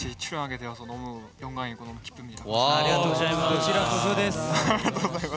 こちらこそです。